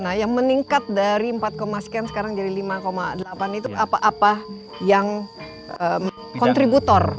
nah yang meningkat dari empat sembilan sekarang menjadi lima delapan itu apa apa yang kontributor utama